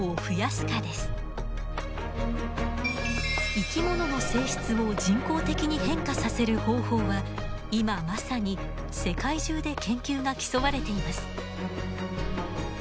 生き物の性質を人工的に変化させる方法は今まさに世界中で研究が競われています。